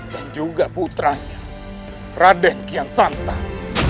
dan juga putranya radeng kian santang